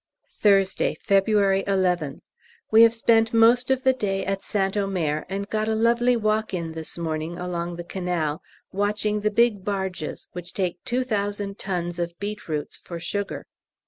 Thursday, February 11th. We have spent most of the day at St Omer, and got a lovely walk in this morning, along the canal, watching the big barges which take 2000 tons of beetroots for sugar.